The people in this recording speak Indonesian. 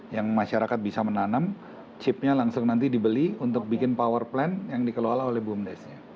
yang masyarakat bisa menanam chipnya langsung nanti dibeli untuk bikin power plant yang dikelola oleh bumdes nya